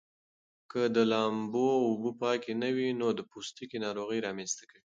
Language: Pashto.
که د لامبو اوبه پاکې نه وي نو د پوستکي ناروغۍ رامنځته کوي.